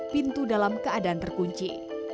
pintu dalam keadaan terkunci